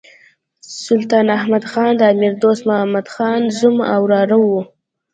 سلطان احمد خان د امیر دوست محمد خان زوم او وراره وو.